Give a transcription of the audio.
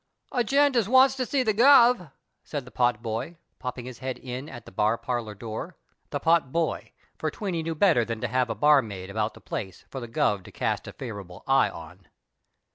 " A gent as wants to see the Guv.," said the pot boy, pojjping his head in at the bar parlour door — the potboy, for Tweeny knew better than to have a barmaid about the place for the Guv. to cast a favourable eye on.